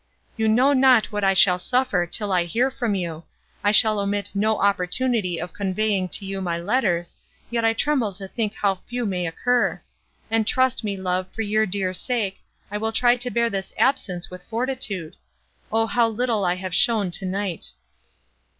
"You know not what I shall suffer, till I hear from you; I shall omit no opportunity of conveying to you my letters, yet I tremble to think how few may occur. And trust me, love, for your dear sake, I will try to bear this absence with fortitude. O how little I have shown tonight!"